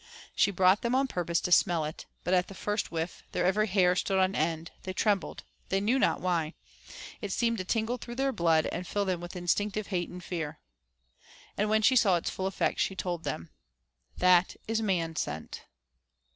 She brought them on purpose to smell it, but at the first whiff their every hair stood on end, they trembled, they knew not why it seemed to tingle through their blood and fill them with instinctive hate and fear. And when she saw its full effect she told them "That is man scent."